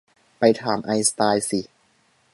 ไปถามไอน์สไตน์สิ